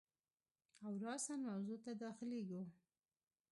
او راساً موضوع ته داخلیږو.